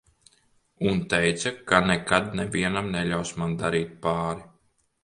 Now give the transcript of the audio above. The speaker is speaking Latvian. Un teica, ka nekad nevienam neļaus man darīt pāri.